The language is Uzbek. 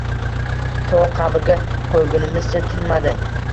To qabrga qo‘ygunimizcha tinmadi.